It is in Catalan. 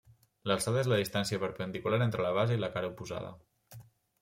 L'alçada és la distància perpendicular entre la base i la cara oposada.